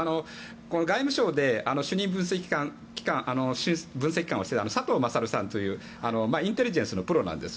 外務省で主任分析官をしていた佐藤優さんというインテリジェンスのプロなんです。